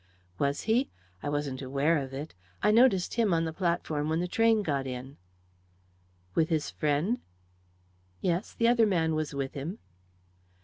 "Was he? I wasn't aware of it. I noticed him on the platform when the train got in." "With his friend?" "Yes the other man was with him."